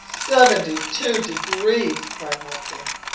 "Seventy two degrees !" cried Hobson.